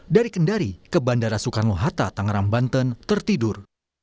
dari kendari ke bandara soekarno hatta tangerang banten tertidur